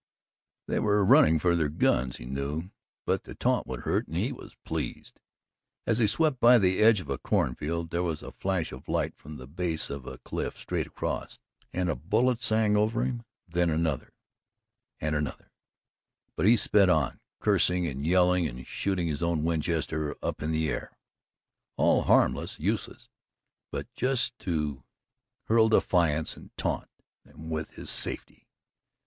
They were running for their guns, he knew, but the taunt would hurt and he was pleased. As he swept by the edge of a cornfield, there was a flash of light from the base of a cliff straight across, and a bullet sang over him, then another and another, but he sped on, cursing and yelling and shooting his own Winchester up in the air all harmless, useless, but just to hurl defiance and taunt them with his safety.